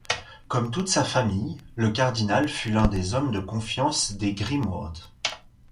Comme toute sa famille, le cardinal fut l’un des hommes de confiance des Grimoard.